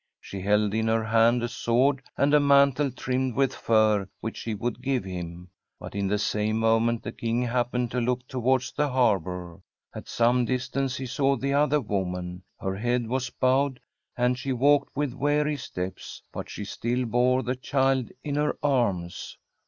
She held in her hand a sword and a mantle trimmed with fur which she would give him. But in the same moment the King happened to look towards the harbour. At some distance he saw the other woman; her head was bowed, and she walked with weary steps, but she still bore the child in her arms.